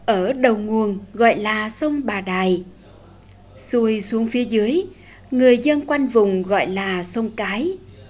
ở đầu nguồn gọi là sông bà đài xuôi xuống phía dưới người dân quanh vùng gọi là sông cái